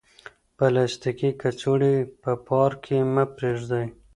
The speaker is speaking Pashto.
پلاستیکي کڅوړې په پارک کې مه پریږدئ.